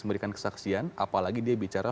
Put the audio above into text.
memberikan kesaksian apalagi dia bicara